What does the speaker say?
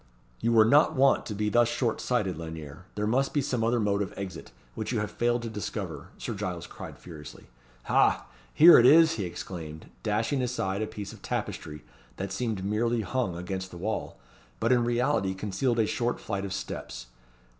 "You were not wont to be thus short sighted, Lanyere. There must be some other mode of exit, which you have failed to discover," Sir Giles cried furiously. "Ha! here it is!" he exclaimed, dashing aside a piece of tapestry that seemed merely hung against the wall, but in reality concealed a short flight of steps.